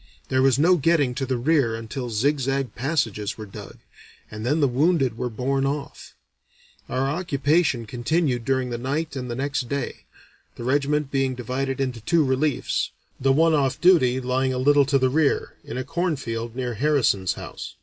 There was no getting to the rear until zig zag passages were dug, and then the wounded were borne off. Our occupation continued during the night and the next day, the regiment being divided into two reliefs, the one off duty lying a little to the rear, in a cornfield near Harrison's house.